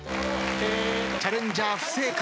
チャレンジャー不正解。